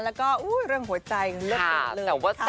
แล้วก็เรื่องหัวใจเลือกเลยค่ะค่ะแต่ว่า